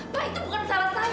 pak itu bukan salah saya